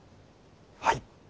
はい。